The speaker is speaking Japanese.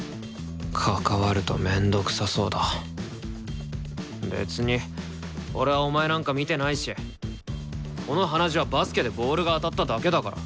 関わると面倒くさそうだ別に俺はお前なんか見てないしこの鼻血はバスケでボールが当たっただけだから。